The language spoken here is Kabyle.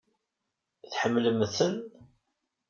Tḥemmlemt-ten?